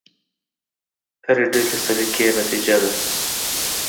هرې ډلې سلیقې نتیجه ده.